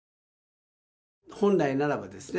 本来ならばですね、